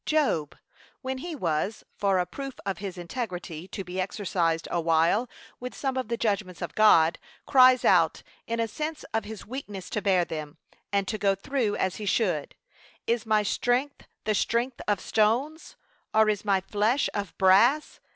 Job, when he was, for a proof of his integrity, to be exercised a while with some of the judgments of God, cries out, in a sense of his weakness to bear them, and to go through as he should, 'Is my strength the strength of stones? or is my flesh of brass?'